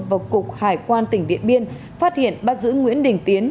và cục hải quan tỉnh điện biên phát hiện bắt giữ nguyễn đình tiến